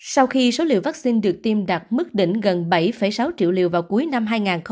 sau khi số liều vắc xin được tiêm đặt mức đỉnh gần bảy sáu triệu liều vào cuối năm hai nghìn hai mươi một